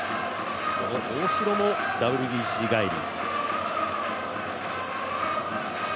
大城もＷＢＣ帰り。